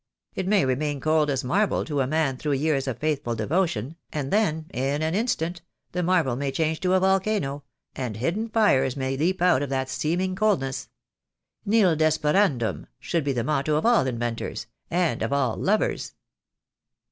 It may remain cold as marble to a man through years of faithful devotion, and then, in an instant, the marble may change to a volcano, and hidden fires may leap out of that seeming coldness. 'Nil desperandum' should be the motto of all inventors — and of all lovers."